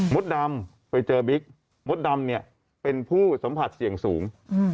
ดำไปเจอบิ๊กมดดำเนี่ยเป็นผู้สัมผัสเสี่ยงสูง